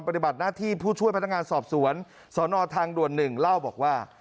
ปฏิบัติหน้าที่ผู้ช่วยพนักงานสอบสวนสนทางด่วน๑เล่าบอกว่า